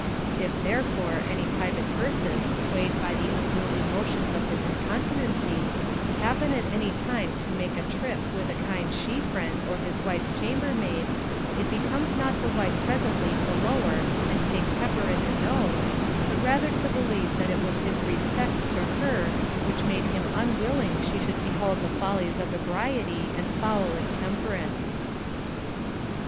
If therefore any private person, swayed by the unruly motions of his incontinency, happen at any time to make a trip with a kind she friend or his wife's chambermaid, it becomes not the wife presently to lower and take pepper in the nose, but rather to believe that it was his respect to 492 CONJUGAL PRECEPTS. her which made him unwilling: she should behold the fol lies of ebriety and foul intemperance.